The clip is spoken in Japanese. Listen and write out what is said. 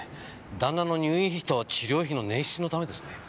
旦那の入院費と治療費の捻出のためですね。